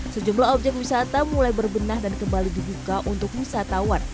sejumlah objek wisata mulai berbenah dan kembali dibuka untuk wisatawan